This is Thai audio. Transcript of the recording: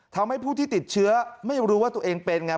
ทำให้ผู้ที่ติดเชื้อไม่รู้ว่าตัวเองเป็นไง